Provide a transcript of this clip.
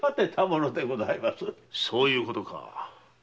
そういうことか。